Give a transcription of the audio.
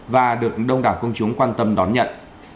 và được đông đảo công chúng quan tâm đón nhận